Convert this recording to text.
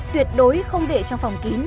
tuyệt đối không để chất lượng năng lượng cao